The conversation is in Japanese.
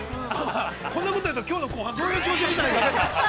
◆こんなこと言うときょうの後半どんな気持ちで見たらいいのか。